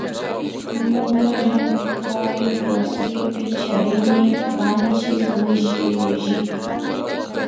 Ñuka llankaywasipi charinchi kanchis williwillita